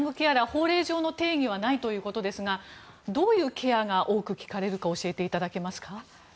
法令上の定義はないということですがどういうケアが多く聞かれるか教えていただけますか？